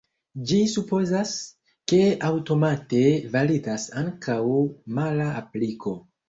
Ĝi supozas, ke aŭtomate validas ankaŭ mala apliko.